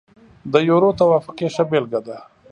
د یورو توافق یې ښه بېلګه ده.